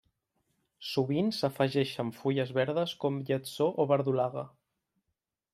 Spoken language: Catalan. Sovint s'afegeixen fulles verdes com lletsó o verdolaga.